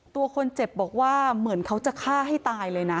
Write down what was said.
ตัวคนเจ็บบอกว่าเหมือนเขาจะฆ่าให้ตายเลยนะ